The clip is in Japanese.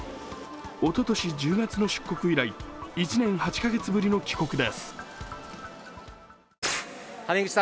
おととし１０月の出国以来１年８カ月ぶりの帰国です。